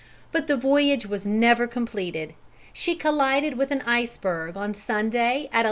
But the voyage was never completed. She collided with an iceberg on Sunday at 11.